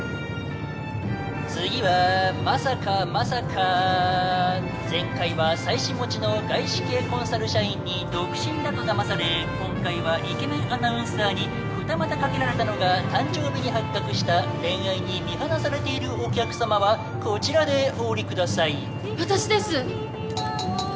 「次は真坂真坂」「前回は妻子持ちの外資系コンサル社員に独身だとだまされ今回はイケメンアナウンサーに二股かけられたのが誕生日に発覚した恋愛に見放されているお客様はこちらでお降りください」私です！